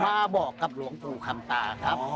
มาบอกกับหลวงปู่คำตาครับ